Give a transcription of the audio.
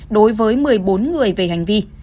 đối với một mươi bốn người về hành vi